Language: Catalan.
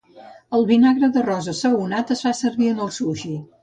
El vinagre d'arròs assaonat es fa servir en el sushi.